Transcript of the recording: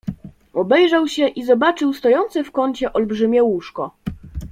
"Obejrzał się i zobaczył stojące w kącie olbrzymie łóżko."